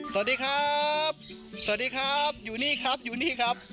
สวัสดีครับอยู่นี่ครับอยู่นี่ครับ